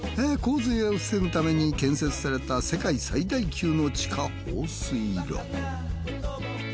洪水を防ぐために建設された世界最大級の地下放水路。